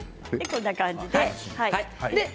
こんな感じですね。